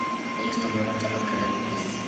Ellos tomaban sólo lo que necesitaban del ambiente.